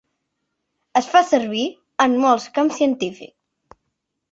Es fa servir en molts camps científics.